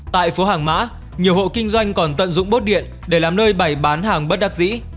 tại phố hàng mã nhiều hộ kinh doanh còn tận dụng bốt điện để làm nơi bày bán hàng bất đắc dĩ